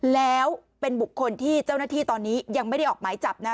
แล้วเป็นบุคคลที่เจ้าหน้าที่ตอนนี้ยังไม่ได้ออกหมายจับนะ